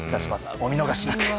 お見逃しなく。